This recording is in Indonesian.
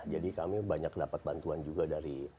jadi kami banyak dapat bantuan juga dari